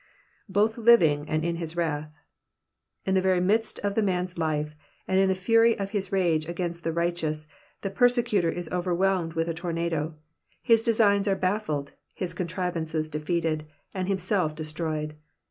''''Both living^ and in his wrath.''^ In the very midst of the man's life, and in the fury of his rage against the righteous, the persecutor is overwhelmed with a tornado, his designs are baflBed, his contrivances defeated, and himself destroyed.